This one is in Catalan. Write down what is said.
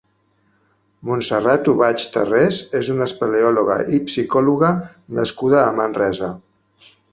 Montserrat Ubach Tarrés és una espeleòloga i psicòloga nascuda a Manresa.